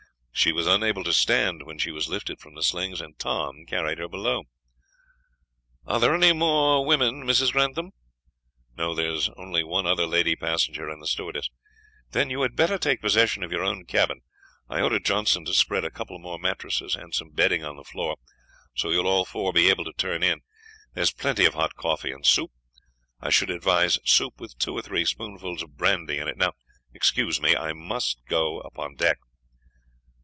She was unable to stand when she was lifted from the slings, and Tom carried her below. "Are there any more women, Mrs. Grantham?" "No; there was only one other lady passenger and the stewardess." "Then you had better take possession of your own cabin. I ordered Johnson to spread a couple more mattresses and some bedding on the floor, so you will all four be able to turn in. There's plenty of hot coffee and soup. I should advise soup with two or three spoonfuls of brandy in it. Now, excuse me; I must go upon deck."